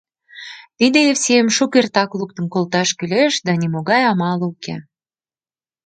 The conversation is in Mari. Тиде Евсейым шукертак луктын колташ кӱлеш, да нимогай амал уке...